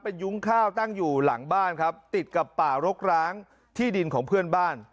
เป็นยุ้งข้าวตั้งอยู่หลังบ้านครับติดกับป่ารกร้างที่ดินของเพื่อนบ้าน